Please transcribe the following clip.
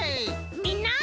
みんな。